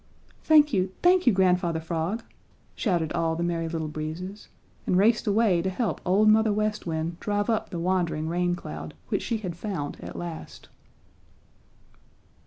"Thank you, thank you, Grandfather Frog!" shouted all the Merry Little Breezes, and raced away to help old Mother West Wind drive up the wandering raincloud, which she had found at last.